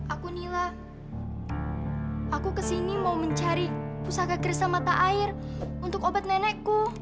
aku mila aku kesini mau mencari pusaka gerisamata air untuk obat nenekku